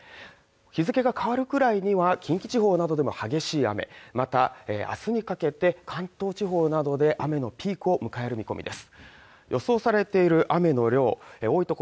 日付が変わるくらいには近畿地方などでも激しい雨明日にかけて関東地方などで雨のピークを迎える見込みです